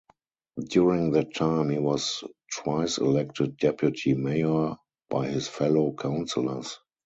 During that time he was twice elected Deputy Mayor by his fellow Councillors.